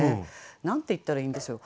何て言ったらいいんでしょう。